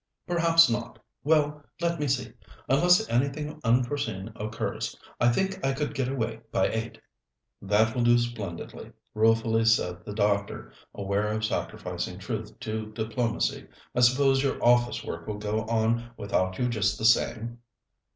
"Perhaps not. Well, let me see. Unless anything unforeseen occurs I think I could get away by eight." "That will do splendidly," ruefully said the doctor, aware of sacrificing truth to diplomacy. "I suppose your office work will go on without you just the same?"